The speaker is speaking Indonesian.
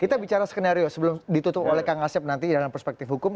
kita bicara skenario sebelum ditutup oleh kang asep nanti dalam perspektif hukum